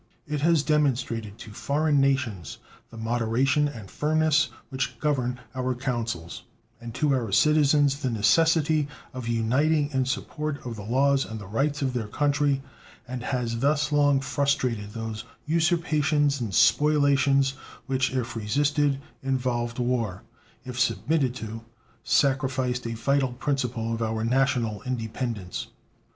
It has demonstrated to foreign nations the moderation and firmness which govern our councils, and to our citizens the necessity of uniting in support of the laws and the rights of their country, and has thus long frustrated those usurpations and spoliations which, if resisted, involved war; if submitted to, sacrificed a vital principle of our national independence.